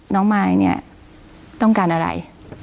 น้องมายต้องการอะไร